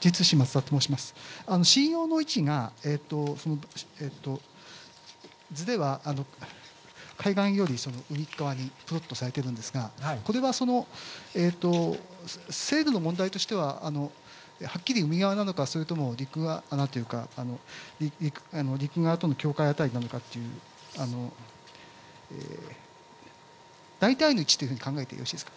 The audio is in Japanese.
震央の位置が図では海岸より右側にプロットされてるんですが、これは精度の問題としては、はっきり海側なのか、それとも陸側というか、陸側との境界当たりなのかっていう、大体の位置っていうふうに考えてよろしいですか？